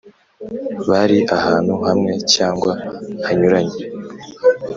bari ahantu hamwe cyangwa hanyuranye